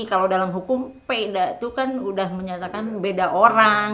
kalau dalam hukum peda itu kan sudah menyatakan beda orang